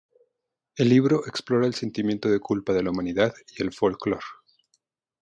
El libro explora el sentimiento de culpa de la humanidad y el folklore.